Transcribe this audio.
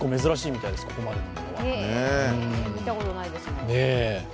見たことないですもんね。